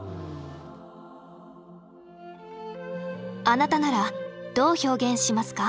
あなたならどう表現しますか？